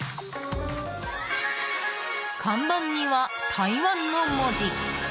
看板には台湾の文字。